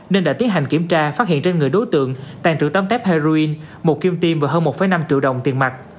nên đã tiến hành kiểm tra phát hiện trên người đối tượng tàn trữ tám tép heroin một kim tim và hơn một năm triệu đồng tiền mặt